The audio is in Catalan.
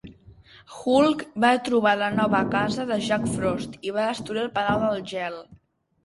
Hulk va trobar la nova casa de Jack Frost i va destruir el palau de gel.